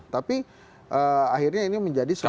tapi akhirnya ini menjadi sebuah